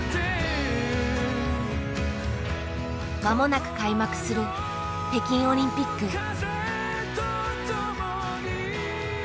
間もなく開幕する北京オリンピック。